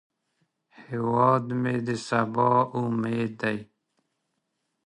هیواد مې د سبا امید دی